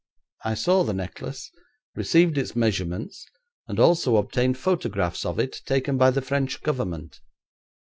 I saw the necklace, received its measurements, and also obtained photographs of it taken by the French Government.